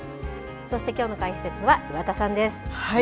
そしてきょうの解説は岩田さんです。